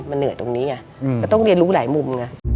มันเหนื่อยตรงนี้ไงก็ต้องเรียนรู้หลายมุมไง